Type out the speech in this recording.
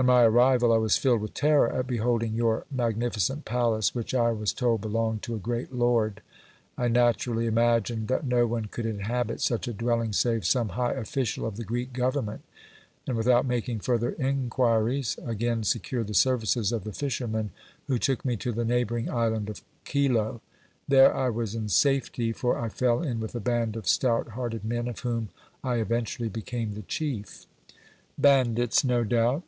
On my arrival I was filled with terror at beholding your magnificent palace, which I was told belonged to a great lord. I naturally imagined that no one could inhabit such a dwelling save some high official of the Greek Government, and, without making further inquiries, again secured the services of the fisherman, who took me to the neighboring Island of Kylo. There I was in safety, for I fell in with a band of stout hearted men, of whom I eventually became the chief." "Bandits, no doubt!"